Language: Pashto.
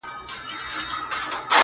د ښوونکي د احترام په پار ځانګړې اونۍ